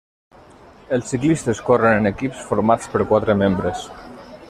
Els ciclistes corren en equips formats per quatre membres.